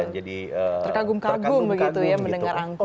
terkagum kagum begitu ya mendengar angkot